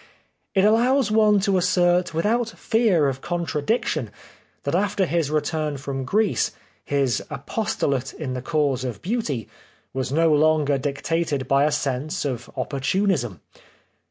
It allows one to assert without fear of contradiction that after his return from Greece, his apostolate in the cause of Beauty was no longer dictated by a sense of opportunism.